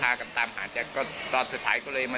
ช่วยเร่งจับตัวคนร้ายให้ได้โดยเร่ง